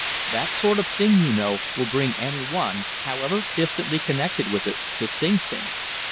That sort of thing, you know, would bring any one, however, distantly connected with it, to Sing Sing....